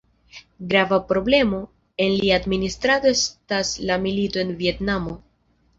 Grava problemo en lia administrado estas la milito en Vjetnamo.